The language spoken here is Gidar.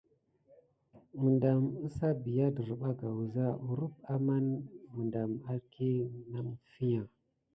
Medam əza bià derbaka wuza kurump amanz medam a bar na mifiya.